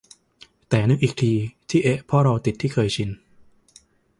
แต่นึกอีกที ที่เอ๊ะเพราะเราติดที่เคยชิน